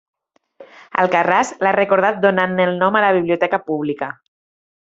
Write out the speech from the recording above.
Alcarràs l'ha recordat donant-ne el nom a la biblioteca pública.